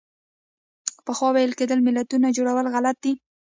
پخوا ویل کېدل ملتونو جوړول غلط دي.